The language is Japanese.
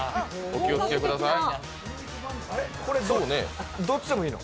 お気をつけください。